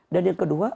dan yang kedua